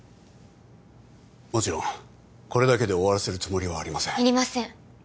もちろんこれだけで終わらせるつもりはありませんいりません